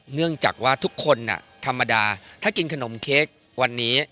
เนื่องจากว่าทุกคนธรรมดาถ้ากินขนมเค้กวันนี้